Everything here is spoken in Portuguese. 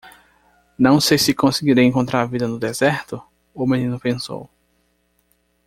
Não sei se conseguirei encontrar a vida no deserto? o menino pensou.